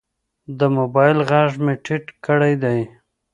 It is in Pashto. د موبایل غږ مې ټیټ کړی دی.